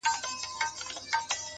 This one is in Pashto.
له څه مودې ترخ يم خـــوابــــدې هغه.!